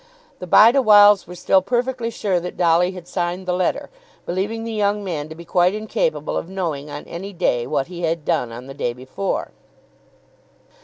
The Bideawhiles were still perfectly sure that Dolly had signed the letter, believing the young man to be quite incapable of knowing on any day what he had done on the day before.